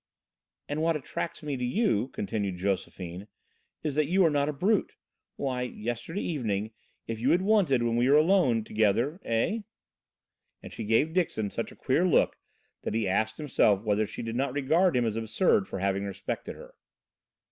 "And what attracts me to you," continued Josephine, "is that you are not a brute. Why, yesterday evening, if you had wanted, when we were alone together, eh?" And she gave Dixon such a queer look that he asked himself whether she did not regard him as absurd for having respected her.